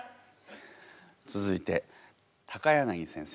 続いて柳先生